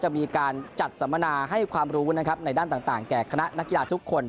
จะมีการจัดสัมมนาให้ความรู้นะครับในด้านต่างแก่คณะนักกีฬาทุกคน